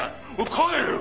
帰れよ！